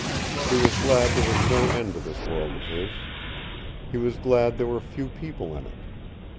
He was glad there was no end to this world of his. He was glad there were few people in it.